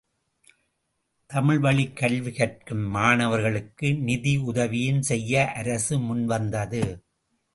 தமிழ்வழிக் கல்வி கற்கும் மாணவர்களுக்கு நிதி உதவியும் செய்ய அரசு முன்வந்தது.